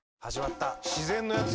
自然のやつ？